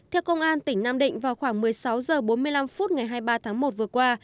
theo công an tỉnh nam định vào khoảng một mươi sáu h bốn mươi năm phút ngày hai mươi ba tháng một vừa qua